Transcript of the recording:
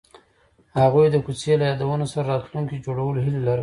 هغوی د کوڅه له یادونو سره راتلونکی جوړولو هیله لرله.